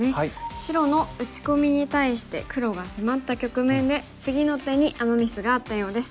白の打ち込みに対して黒が迫った局面で次の手にアマ・ミスがあったようです。